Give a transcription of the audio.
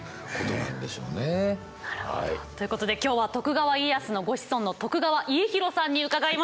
なるほど。ということで今日は徳川家康のご子孫の徳川家広さんに伺いました。